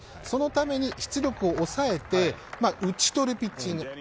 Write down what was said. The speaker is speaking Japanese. そのために出力を抑えて打ち取るピッチング。